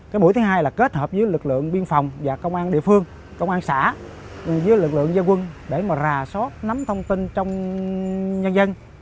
cái mũi thứ hai là kết hợp với lực lượng biên phòng và công an địa phương công an xã với lực lượng gia quân để mà rà soát nắm thông tin trong nhân dân